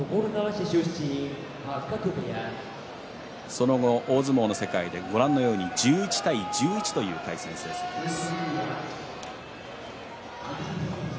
その後、大相撲の世界でご覧のように１１対１１という対戦成績です。